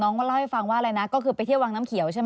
ว่าเล่าให้ฟังว่าอะไรนะก็คือไปเที่ยววังน้ำเขียวใช่ไหม